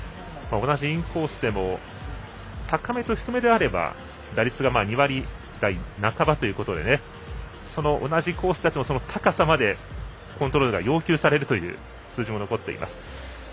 同じインコースでも高めと低めであれば打率が２割台半ばということでその同じコースと高さまでコントロールが要求されるという数字も残っています。